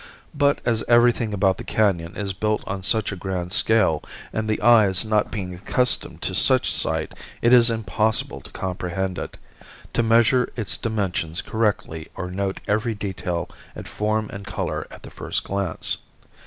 But as everything about the canon is built on such a grand scale and the eyes not being accustomed to such sights it is impossible to comprehend it to measure its dimensions correctly or note every detail of form and color at the first glance.